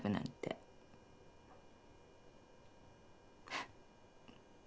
フッ。